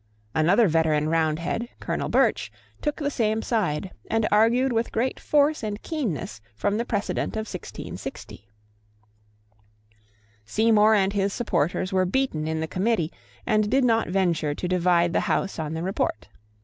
Another veteran Roundhead, Colonel Birch, took the same side, and argued with great force and keenness from the precedent of 1660. Seymour and his supporters were beaten in the Committee, and did not venture to divide the House on the Report.